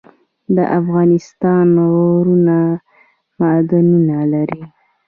د افغانستان غرونه معدنونه لري